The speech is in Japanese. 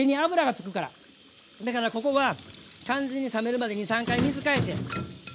だからここは完全に冷めるまで２３回水替えて。